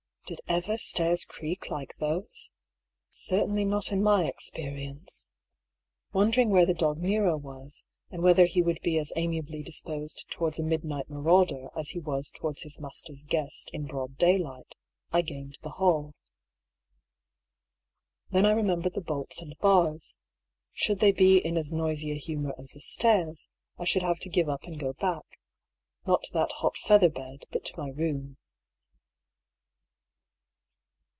Did ever stairs creak like those ? Certainly not in my experience. Wonder ing where the dog Nero was, and whether he would be as amiably disposed towards a midnight marauder as he was towards his master's guest in broad daylight, I gained the hall. Then I remembered the bolts and bars. Should they be in as noisy a humour as the stairs, I should have to give up and go back — not to that hot feather bed, but to my room.